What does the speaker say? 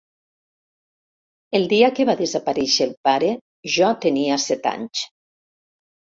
El dia que va desaparèixer el pare jo tenia set anys.